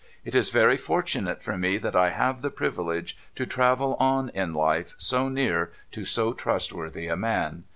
It is very fortunate for me that I have the privi lege to travel on in life so near to so trustworthy a man.